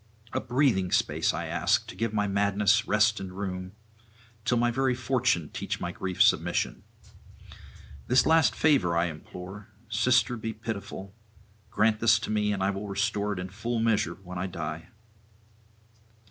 A breathing space I ask, to give my madness rest and room, till my very [434 469]fortune teach my grief submission. This last favour I implore: sister, be pitiful; grant this to me, and I will restore it in full measure when I die.'